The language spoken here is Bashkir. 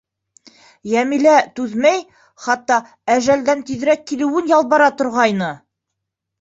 Йәмилә түҙмәй, хатта әжәлдән тиҙерәк килеүен ялбара торғайны.